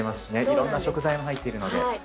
いろんな食材も入っているので。